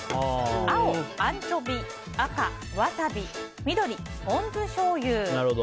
青、アンチョビ赤、ワサビ緑、ポン酢しょうゆ。